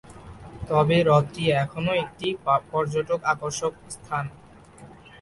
তবে হ্রদটি এখনও একটি পর্যটক আকর্ষক স্থান।